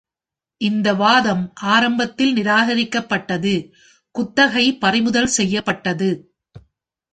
இந்த வாதம் ஆரம்பத்தில் நிராகரிக்கப்பட்டது, குத்தகை பறிமுதல் செய்யப்பட்டது.